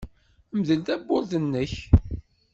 Mdel tawwurt-nnek.